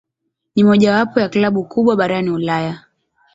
Ni mojawapo ya klabu kubwa barani Ulaya.